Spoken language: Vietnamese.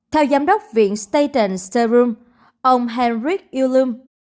theo giám đốc viện staten serum ông henrik ullum